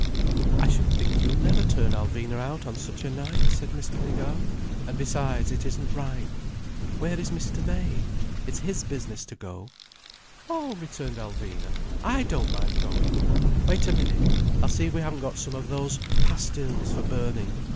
"I should think you'll never turn Alvina out on such a night," said Miss Pinnegar. "And besides, it isn't right. Where is Mr. May? It's his business to go." "Oh!" returned Alvina. "I don't mind going. Wait a minute, I'll see if we haven't got some of those pastilles for burning.